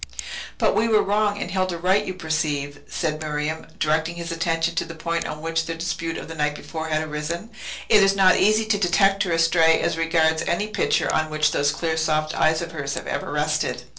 "But we were wrong, and Hilda right, as you perceive," said Miriam, directing his attention to the point on which their dispute of the night before had arisen. "It is not easy to detect her astray as regards any picture on which those clear, soft eyes of hers have ever rested."